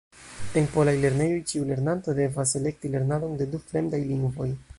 En polaj lernejoj ĉiu lernanto devas elekti lernadon de du fremdaj lingvoj.